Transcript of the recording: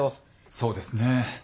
そうですね。